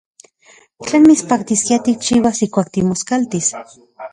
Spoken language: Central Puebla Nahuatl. ¿Tlen mitspaktiskia tikchiuas ijkuak timoskaltis?